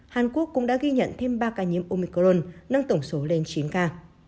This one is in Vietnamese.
hàn quốc cũng đã ghi nhận thêm ba ca nhiễm omicron nâng tổng số lên chín ca